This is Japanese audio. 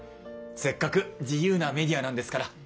せっかく自由なメディアなんですから。